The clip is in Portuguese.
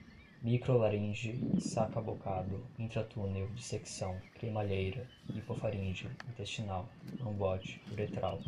micro laringe, sacabocado, intratunel, dissecção, cremalheira, hipofaringe, intestinal, lambote, uretral